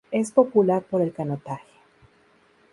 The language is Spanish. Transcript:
Es popular por el canotaje.